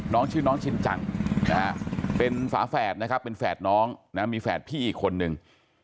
น้องชื่อน้องชินจังนะฮะเป็นฝาแฝดนะครับเป็นแฝดน้องนะมีแฝดพี่อีกคนนึง